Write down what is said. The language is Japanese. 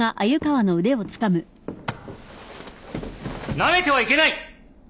なめてはいけない！